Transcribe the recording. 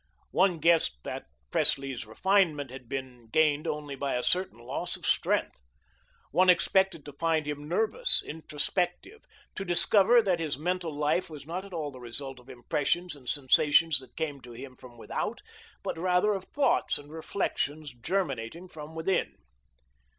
One guessed that Presley's refinement had been gained only by a certain loss of strength. One expected to find him nervous, introspective, to discover that his mental life was not at all the result of impressions and sensations that came to him from without, but rather of thoughts and reflections germinating from within.